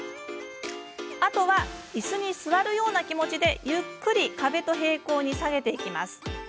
あとはいすに座るような気持ちでゆっくり壁と平行に下げていきます。